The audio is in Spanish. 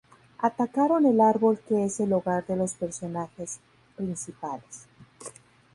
Atacaron el árbol que es el hogar de los personajes principales.